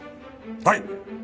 はい。